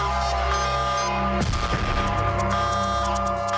โปรดติดตามต่อไป